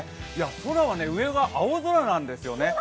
空はね、上が青空なんですよね。